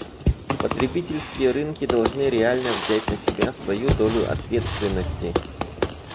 Потребительские рынки должны реально взять на себя свою долю ответственности.